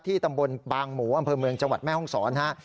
ตำบลบางหมูอำเภอเมืองจังหวัดแม่ห้องศรฮะ